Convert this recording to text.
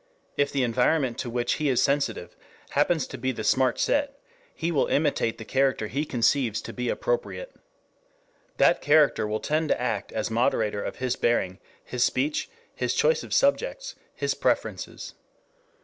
If the environment to which he is sensitive happens to be the smart set, he will imitate the character he conceives to be appropriate. That character will tend to act as modulator of his bearing, his speech, his choice of subjects, his preferences.